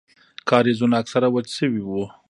کاريزونه اکثره وچ سوي وو.